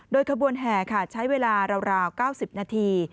โดยขบวนแห่ค่ะใช้เวลาราว๙๐นาที